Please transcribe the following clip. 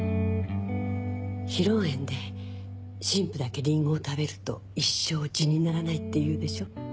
披露宴で新婦だけリンゴを食べると一生痔にならないっていうでしょ？